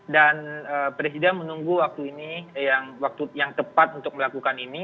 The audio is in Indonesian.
dan presiden menunggu waktu ini yang tepat untuk melakukan ini